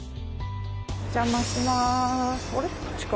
お邪魔します。